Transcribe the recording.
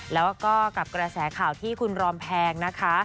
แล้วก็กับกระแสข่าวที่คุณรอมแพงนะคะ